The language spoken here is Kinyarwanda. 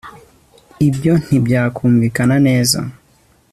ibyo ntibyumvikana neza